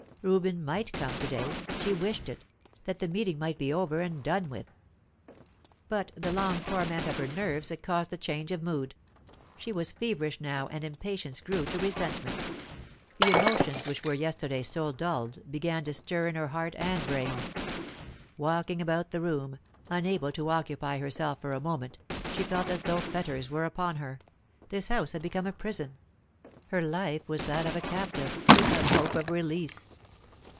Reuben might come today; she wished it, that the meeting might be over and done with. But the long torment of her nerves had caused a change of mood. She was feverish now, and impatience grew to resentment. The emotions which were yesterday so dulled began to stir in her heart and brain. Walking about the room, unable to occupy herself for a moment, she felt as though fetters were upon her; this house had become a prison; her life was that of a captive without hope of release.